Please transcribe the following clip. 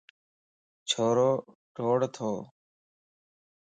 ڇورو ڊوڙتو